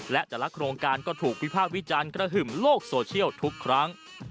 และแต่ละโครงการก็ถูกวิพากษ์วิจารณ์กระหึ่มโลกโซเชียลทุกครั้ง